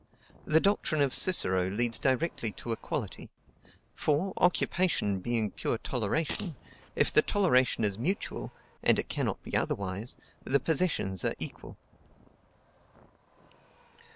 The doctrine of Cicero leads directly to equality; for, occupation being pure toleration, if the toleration is mutual (and it cannot be otherwise) the possessions are equal.